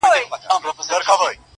o ډېر نا اهله بد کرداره او بد خوی ؤ,